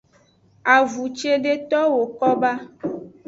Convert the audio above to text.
Avun cedeto woko ba.